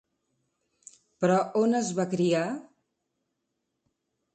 Però on es va criar?